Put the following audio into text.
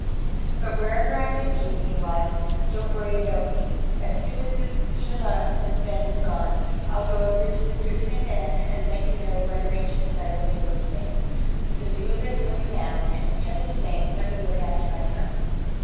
But wherever I may be, meanwhile, don't worry about me. As soon as the gendarmes have been and gone, I'll go over to the Rue Ste. Anne and let you know what arrangements I've been able to make. So do as I tell you now, and in Heaven's name let me look after myself."